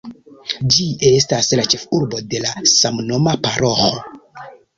Ĝi estas la ĉefurbo de samnoma paroĥo.